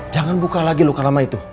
jangan buka lagi luka lama itu